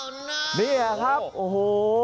นี่ครับโอ้โห